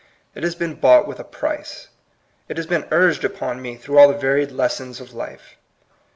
It has been bought with a price; it has been urged upon me through all the varied lessons of life.